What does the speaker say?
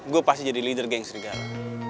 gue pasti jadi leader geng serigala